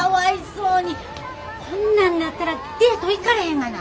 こんなんなったらデート行かれへんがな。